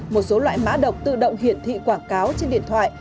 một số loại mã độc tự động hiển thị quảng cáo trên điện thoại